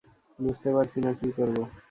বুঝতে পারছি না কী করব।